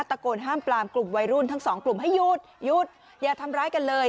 ตะโกนห้ามปลามกลุ่มวัยรุ่นทั้งสองกลุ่มให้หยุดหยุดอย่าทำร้ายกันเลย